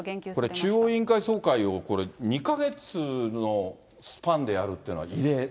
これ、中央委員会総会をこれ、２か月のスパンでやるっていうのは異例？